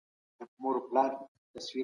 تاسو باید په خپلو لاسونو کار کول زده کړئ.